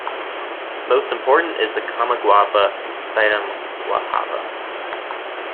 Most important is the common guava, Psidium guajava.